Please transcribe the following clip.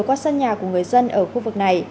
qua sân nhà của người dân ở khu vực này